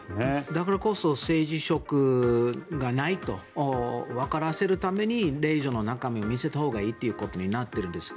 だからこそ政治色がないとわからせるために令状の中身を見せたほうがいいということになっているんです。